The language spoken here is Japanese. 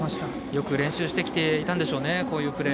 よく練習してきていたんでしょう。